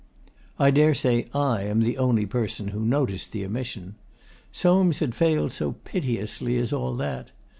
I daresay I am the only person who noticed the omission. Soames had failed so piteously as all that!